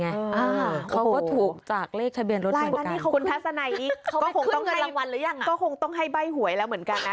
เขาก็ถูกมาจากเลขทะเบียนรถก็คงต้องให้ใบ่หวยแล้วเหมือนกัน